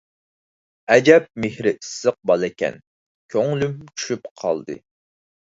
ئەجەب مېھرى ئىسسىق بالىكەن، كۆڭلۈم چۈشۈپ قالدى.